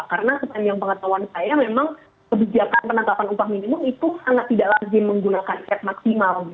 karena sepanjang pengetahuan saya memang kebijakan penangkapan upah minimum itu tidak lagi menggunakan cap maksimal